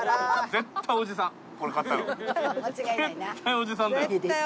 絶対おじさんだよ。